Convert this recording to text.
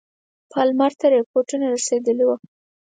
پالمر ته رپوټونه رسېدلي وه.